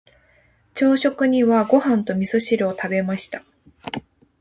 朝食にはご飯と味噌汁を食べました。